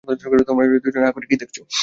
তোমরা দুজনে হাঁ করে কী দেখছ?